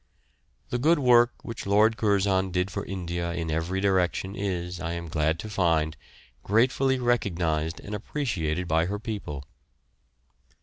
The good work which Lord Curzon did for India in every direction is, I am glad to find, gratefully recognised and appreciated by her people.